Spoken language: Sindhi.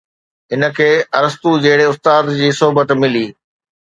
هن کي ارسطو جهڙي استاد جي صحبت ملي